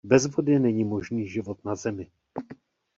Bez vody není možný život na Zemi.